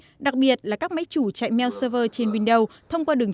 tổ chức tự vận hành đặc biệt là các máy chủ chạy mail server trên windows thông qua đường